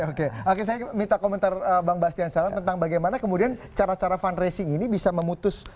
oke oke saya minta komentar bang bastian salam tentang bagaimana kemudian cara cara fundraising ini bisa memutus